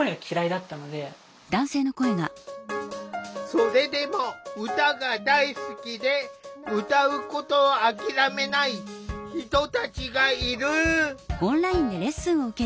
それでも歌が大好きで歌うことを諦めない人たちがいる。